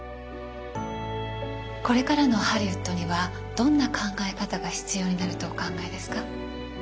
これからのハリウッドにはどんな考え方が必要になるとお考えですか？